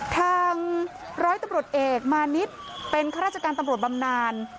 ทางร้อยตำรวจเอกมานิดเป็นข้าราชการตำรวจบำนาน